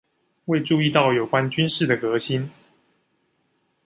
未注意到有關軍事的革新